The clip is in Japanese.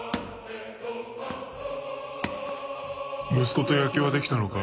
息子と野球はできたのか？